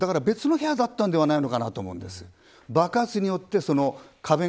だから別の部屋だったのではないかと思うんです。